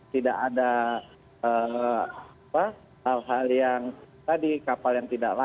tidak ada hal hal yang tadi kapal yang tidak layak